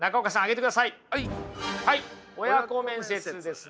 親子面接ですね。